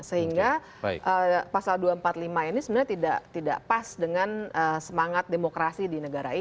sehingga pasal dua ratus empat puluh lima ini sebenarnya tidak pas dengan semangat demokrasi di negara ini